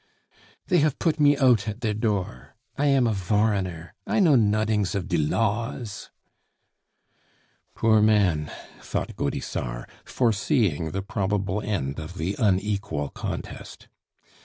"They haf put me out at der door. I am a voreigner, I know nodings of die laws." "Poor man!" thought Gaudissart, foreseeing the probable end of the unequal contest.